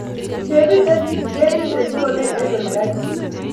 Chepeitet kp ketit ne nyonii eng ole kaitit.